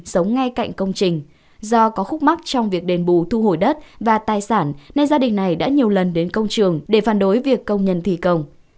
sống ngay cạnh công trình do có khúc mắc trong việc đền bù thu hồi đất và tài sản nên gia đình này đã nhiều lần đến công trường để phản đối việc công nhân thi công